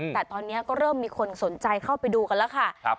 แต่ตอนนี้ก็เริ่มมีคนสนใจเข้าไปดูกันแล้วค่ะ